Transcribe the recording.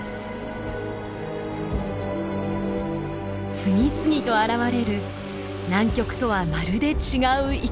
次々と現れる南極とはまるで違う生きものたち。